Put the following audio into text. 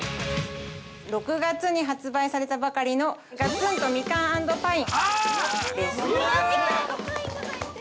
◆６月に発売されたばかりの、ガツン、とみかん＆パイン○○です。